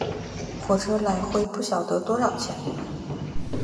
火车来回不晓得多少钱